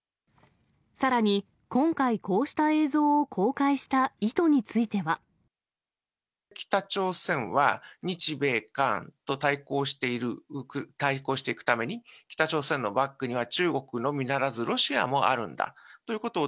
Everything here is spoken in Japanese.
さらに、今回、こうした映像を公開した意図については。北朝鮮は、日米韓と対抗していくために、北朝鮮のバックには中国のみならず、ロシアもあるんだということを、